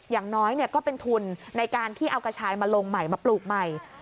อย่างน้อยก็เป็นทุนในการที่เอากระชายมาลงใหม่มาปลูกใหม่